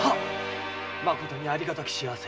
まことに有り難き幸せ！